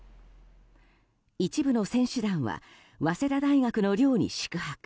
一部の選手団は早稲田大学の寮に宿泊。